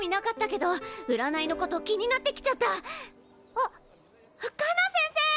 あっカナ先生！